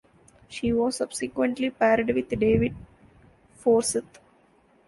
She was subsequently paired with David Forsyth.